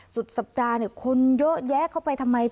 สุดสัปดาห์เนี่ยคนเยอะแยะเข้าไปทำไม